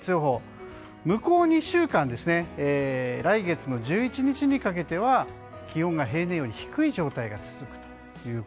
向こう２週間来月の１１日かけては気温が平年より低い状態が続くと。